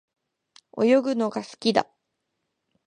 泳ぐのが好きだ。